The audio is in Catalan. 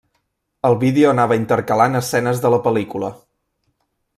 El vídeo anava intercalant escenes de la pel·lícula.